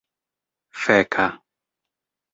feka